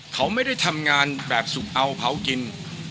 เขาไม่ได้ทำงานแบบสุกเอาเผากิน